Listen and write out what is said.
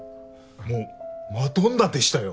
もうマドンナでしたよ。